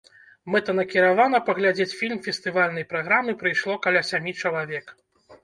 Мэтанакіравана паглядзець фільм фестывальнай праграмы прыйшло каля сямі чалавек.